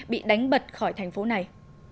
bị đánh bật khỏi thành phố này